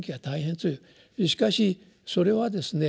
しかしそれはですね